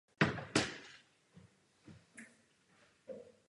Některá města na regionální úrovni o to rovněž usilují.